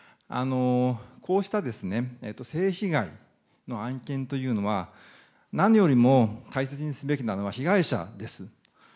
こうした性被害の案件というのは、何よりも大切にすべきなのは被害者です。